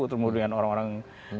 terlebih dari orang orang